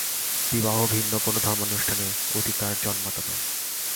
বিবাহ ভিন্ন কোন ধর্মানুষ্ঠানে অধিকার জন্মাত না।